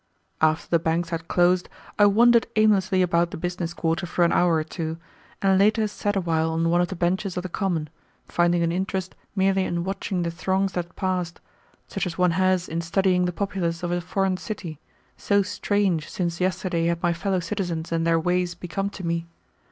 After the banks had closed I wandered aimlessly about the business quarter for an hour or two, and later sat a while on one of the benches of the Common, finding an interest merely in watching the throngs that passed, such as one has in studying the populace of a foreign city, so strange since yesterday had my fellow citizens and their ways become to me.